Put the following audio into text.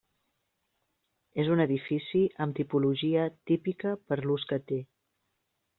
És un edifici amb tipologia típica per l'ús que té.